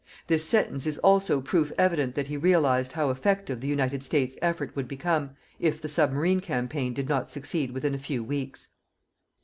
This sentence is also proof evident that he realized how effective the United States effort would become, if the submarine campaign did not succeed within a few weeks.